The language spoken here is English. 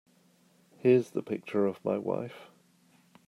Here's the picture of my wife.